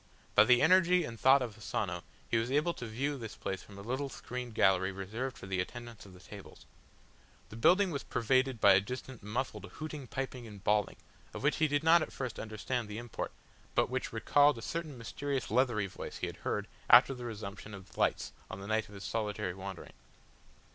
By the energy and thought of Asano he was able to view this place from a little screened gallery reserved for the attendants of the tables. The building was pervaded by a distant muffled hooting, piping and bawling, of which he did not at first understand the import, but which recalled a certain mysterious leathery voice he had heard after the resumption of the lights on the night of his solitary wandering.